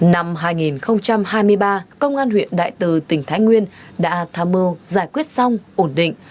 năm hai nghìn hai mươi ba công an huyện đại từ tỉnh thái nguyên đã tham mưu giải quyết xong ổn định